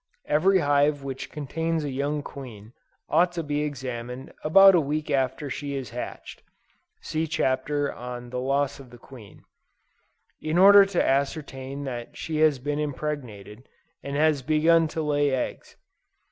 Every hive which contains a young queen, ought to be examined about a week after she has hatched, (see Chapter on Loss of the Queen,) in order to ascertain that she has been impregnated, and has begun to lay eggs.